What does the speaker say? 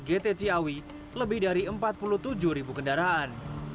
gt ciawi lebih dari empat puluh tujuh ribu kendaraan